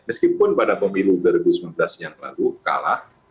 meskipun pada pemilu dua ribu sembilan belas yang lalu kalah